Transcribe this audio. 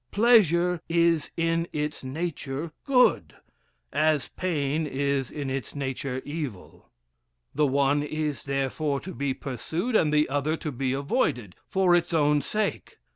Pleasure is in its nature good, as pain is in its nature evil; the one is, therefore, to be pursued, and the other to be avoided, for its own sake.